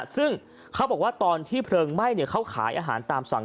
ซึ่งเขาบอกว่าตอนที่เพลิงไหม้เขาขายอาหารตามสั่ง